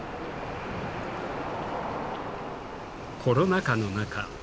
コロナ禍の中